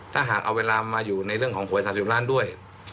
ถ้าหากเอาเวลามาอยู่ในเรื่องของหวย๓๐ล้านด้วย